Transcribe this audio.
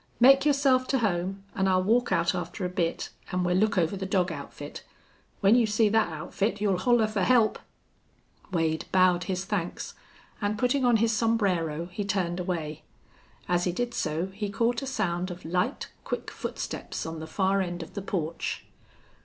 Make yourself to home, an' I'll walk out after a bit an' we'll look over the dog outfit. When you see thet outfit you'll holler fer help." Wade bowed his thanks, and, putting on his sombrero, he turned away. As he did so he caught a sound of light, quick footsteps on the far end of the porch.